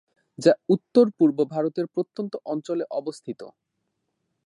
যা উত্তর-পূর্ব ভারতের প্রত্যন্ত অঞ্চলে অবস্থিত।